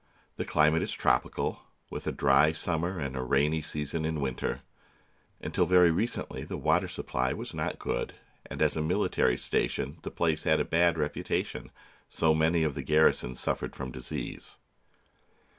The climate is tropical, with a dry summer and a rainy season in winter. Until very recently the water supply was not good, and as a military station the place had a bad reputa tion, so many of the garrison suffered from disease.